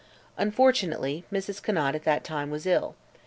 Unfortunately, Mrs. Conant at that time was ill.